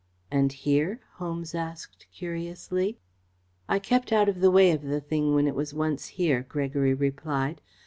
"And here?" Holmes asked curiously. "I kept out of the way of the thing when it was once here," Gregory replied.